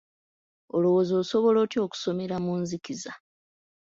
Olowooza asobola atya okusomera mu nzikiza?